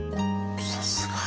さすが。